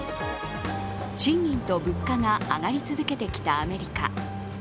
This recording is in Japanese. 賃金と物価が上がり続けてきたアメリカ。